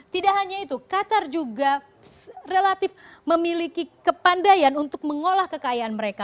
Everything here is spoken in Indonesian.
tidak hanya itu qatar juga relatif memiliki kepandaian untuk mengolah kekayaan mereka